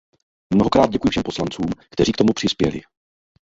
Mnohokrát děkuji všem poslancům, kteří k tomu přispěli.